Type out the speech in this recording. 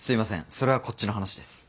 それはこっちの話です。